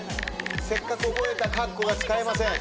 せっかく覚えたかっこが使えません。